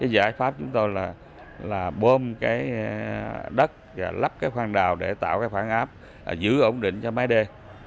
giải pháp chúng tôi là bơm đất và lắp khoang đào để tạo phản áp giữ ổn định cho máy đê